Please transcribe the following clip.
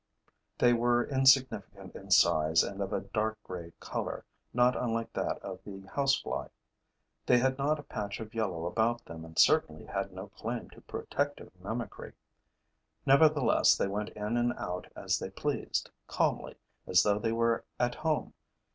They were insignificant in size and of a dark gray color, not unlike that of the housefly. They had not a patch of yellow about them and certainly had no claim to protective mimicry. Nevertheless, they went in and out as they pleased, calmly, as though they were at home.